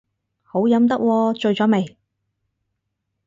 好飲得喎，醉咗未